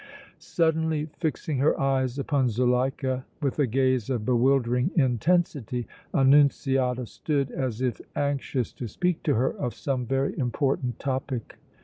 Suddenly fixing her eyes upon Zuleika with a gaze of bewildering intensity, Annunziata stood as if anxious to speak to her of some very important topic.